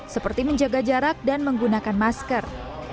seperti menjaga jarak dan menggunakan masker